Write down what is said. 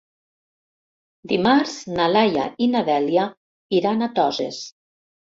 Dimarts na Laia i na Dèlia iran a Toses.